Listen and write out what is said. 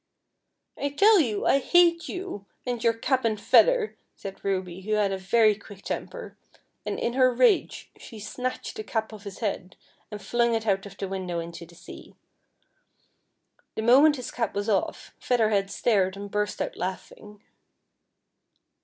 " I tell you I hate you, and your cap and feather," said Ruby, who had a very quick temper, and in her rage she snatched the cap off his head, and flung it out of the window into the sea. The moment his cap was off. Feather Head stared and burst out laughing.